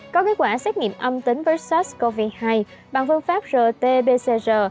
có kết quả xét nghiệm âm tính versus covid hai bằng phương pháp rt pcr